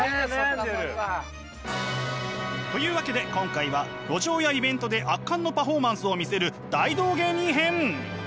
そっかそっか。というわけで今回は路上やイベントで圧巻のパフォーマンスを見せる大道芸人編！